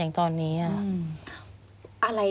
มันจอดอย่างง่ายอย่างง่าย